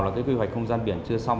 là cái quy hoạch không gian biển chưa xong